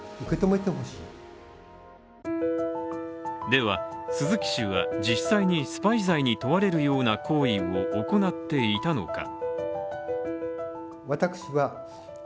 では、鈴木氏は実際にスパイ罪に問われるような行為を行っていたのか。